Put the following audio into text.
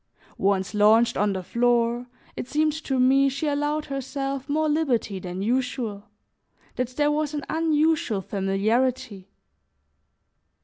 Once launched on the floor, it seemed to me she allowed herself more liberty than usual, that there was an unusual familiarity.